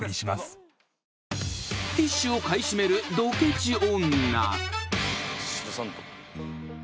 ［ティッシュを買い占めるどケチ女］